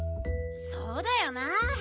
そうだよな。